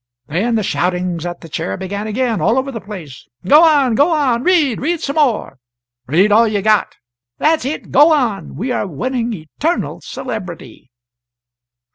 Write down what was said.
Then the shoutings at the Chair began again, all over the place: "Go on! go on! Read! read some more! Read all you've got!" "That's it go on! We are winning eternal celebrity!"